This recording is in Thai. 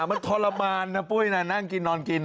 มันทรมานนะปุ้ยนะนั่งกินนอนกิน